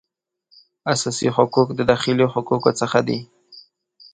اساسي حقوق د داخلي حقوقو څخه دي